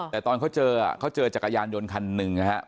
แต่ตอนเขาเจอเขาเจอจักรยานยนต์คันหนึ่งนะครับ